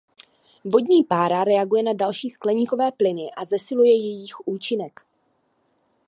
Vodní pára reaguje na další skleníkové plyny a zesiluje jejích účinek.